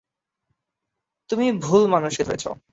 তুমি ভুল মানুষকে ধরেছ।